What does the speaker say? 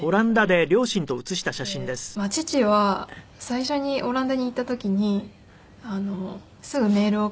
で父は最初にオランダに行った時にすぐメールをくれて。